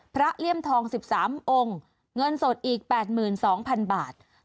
เลี่ยมทอง๑๓องค์เงินสดอีก๘๒๐๐๐บาท